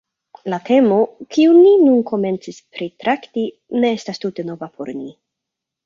La temo, kiun ni nun komencis pritrakti, ne estas tute nova por ni.